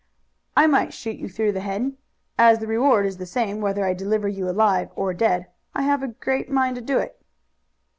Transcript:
"I might shoot you through the head. As the reward is the same whether I deliver you alive or dead I have a great mind to do it."